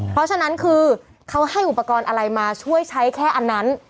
เพราะฉะนั้นคือเขาให้อุปกรณ์อะไรมาช่วยใช้แค่อันนั้น